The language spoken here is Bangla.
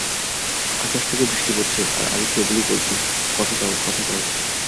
আকাশ থেকে বৃষ্টি পড়ছে আর আমি কেবলই বলেছি, কথা দাও, কথা দাও!